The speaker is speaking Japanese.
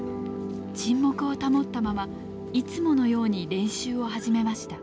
沈黙を保ったままいつものように練習を始めました。